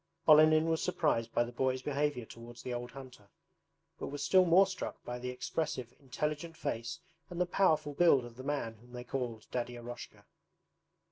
Olenin was surprised by the boys' behavior towards the old hunter, but was still more struck by the expressive, intelligent face and the powerful build of the man whom they called Daddy Eroshka.